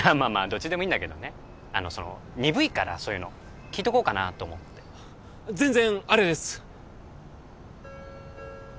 どっちでもいいんだけどねあのその鈍いからそういうの聞いとこうかなと思って全然アレです！